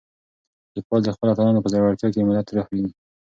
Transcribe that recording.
لیکوال د خپلو اتلانو په زړورتیا کې د ملت روح وینه.